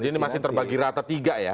jadi ini masih terbagi rata tiga ya